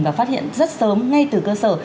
và phát hiện rất sớm ngay từ cơ sở